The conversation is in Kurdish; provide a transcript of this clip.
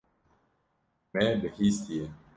Me bihîstiye.